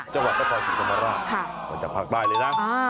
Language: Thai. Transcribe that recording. จังหวัดพระศรีสมราคจากภาคใต้เลยนะ